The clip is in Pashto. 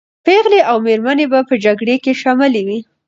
پېغلې او مېرمنې په جګړه کې شاملي وې.